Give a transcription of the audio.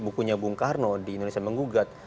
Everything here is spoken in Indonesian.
bukunya bung karno di indonesia menggugat